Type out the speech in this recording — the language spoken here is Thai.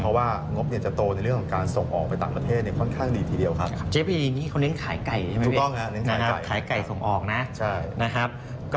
เพราะว่างบจะโตในเรื่องของการส่งออกไปต่างประเทศค่อนข้างดีทีเดียวครับ